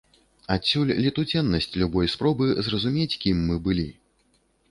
Адсюль летуценнасць любой спробы зразумець, кім мы былі.